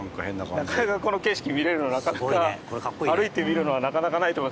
この景色見れるのなかなか歩いて見るのはなかなかないと思います。